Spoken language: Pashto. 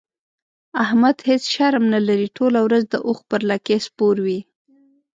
احمد هيڅ شرم نه لري؛ ټوله ورځ د اوښ پر لکۍ سپور وي.